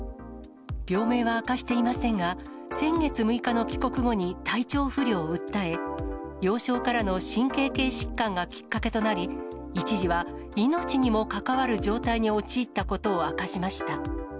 病名は明かしていませんが、先月６日の帰国後に体調不良を訴え、幼少からの神経系疾患がきっかけとなり、一時は命にも関わる状態に陥ったことを明かしました。